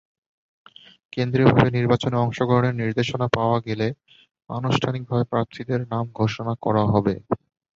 কেন্দ্রীয়ভাবে নির্বাচনে অংশগ্রহণের নির্দেশনা পাওয়া গেলে আনুষ্ঠানিকভাবে প্রার্থীদের নাম ঘোষণা করা হবে।